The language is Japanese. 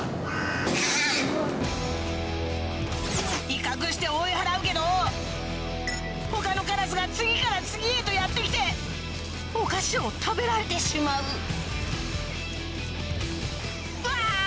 威嚇して追い払うけど他のカラスが次から次へとやって来てお菓子を食べられてしまううわ